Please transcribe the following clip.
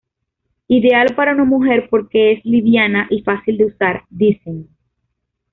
Ideal para una mujer porque es liviana y fácil de usar dicen.